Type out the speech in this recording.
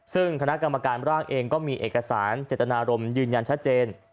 ซึ่งคณะกรรมการร่างเองก็มีเอกสารเจตนารมณ์ยืนยันชัดเจน